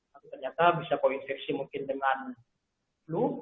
tapi ternyata bisa koinfeksi mungkin dengan flu